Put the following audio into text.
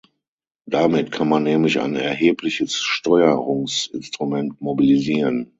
Damit kann man nämlich ein erhebliches Steuerungsinstrument mobilisieren.